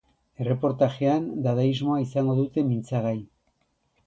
Erreportajean dadaismoa izango dute mintzagai.